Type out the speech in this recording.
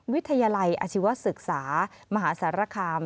วิทยาลัยอาชีวศึกษามหาสารคาม